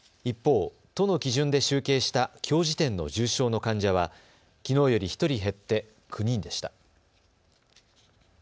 一方、都の基準で集計したきょう時点の重症の患者はきのうより１人減って９人でした。